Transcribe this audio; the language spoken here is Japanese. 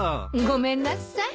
ごめんなさい。